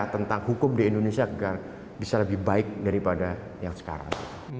tentang hukum di indonesia agar bisa lebih baik daripada yang sekarang